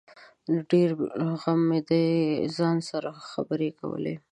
د ډېره غمه مې د ځان سره خبري کولې